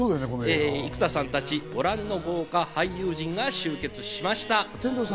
生田さんたち、ご覧の豪華俳優陣が集結しました。